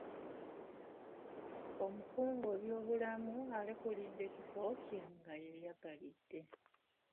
Omukungu w'ebyobulamu yalekulidde ekifo kye nga yeeyagalidde.